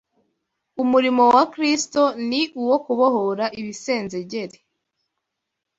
Umurimo wa Kristo ni uwo kubohora ibisenzegeri